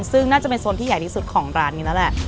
ซึ่งน่าจะเป็นโซนที่ใหญ่ที่สุดของร้านนี้แล้วแหละ